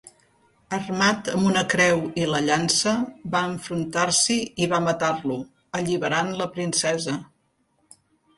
Armat amb una creu i la llança, va enfrontar-s'hi i va matar-lo, alliberant la princesa.